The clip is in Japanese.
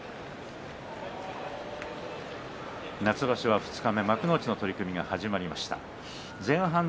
夏場所二日目幕内の取組が始まりました。